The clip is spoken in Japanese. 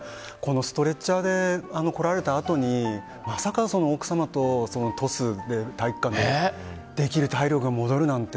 ストレッチャーで来られた後にまさか奥さまとトスで体育館でできる体力が戻るなんて。